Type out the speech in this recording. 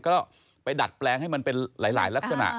ก็ไปดัดแปลงให้มันเป็นหลายลักษณะ